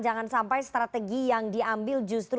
jangan sampai strategi yang diambil justru tidak berhasil